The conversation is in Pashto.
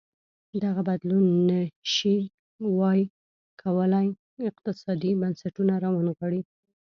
دغه بدلون نه ش وای کولی اقتصادي بنسټونه راونغاړي.